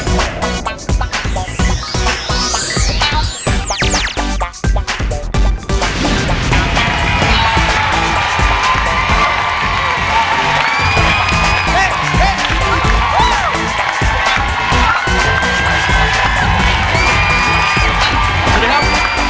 สวัสดีครับ